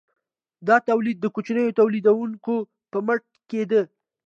دا تولید د کوچنیو تولیدونکو په مټ کیده.